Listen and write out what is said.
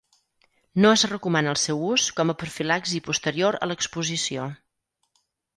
No es recomana el seu ús com a profilaxi posterior a l'exposició.